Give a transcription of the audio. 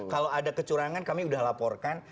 kalau ada kecurangan kami sudah laporkan